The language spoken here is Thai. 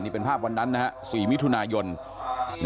นี่เป็นภาพวันนั้นนะครับสี่มิถุนายน